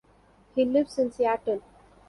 He lives in Seattle.